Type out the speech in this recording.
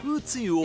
を